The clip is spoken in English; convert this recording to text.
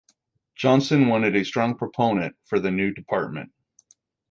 Johnson wanted a strong proponent for the new department.